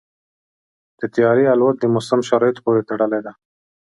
د طیارې الوت د موسم شرایطو پورې تړلې ده.